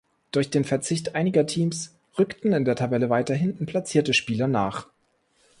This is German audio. Durch den Verzicht einiger Teams rückten in der Tabelle weiter hinten platzierte Spieler nach.